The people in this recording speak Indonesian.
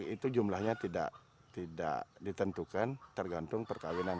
itu jumlahnya tidak ditentukan tergantung perkawinan